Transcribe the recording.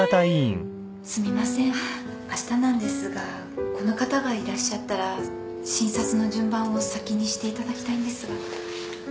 すみませんあしたなんですがこの方がいらっしゃったら診察の順番を先にしていただきたいんですが。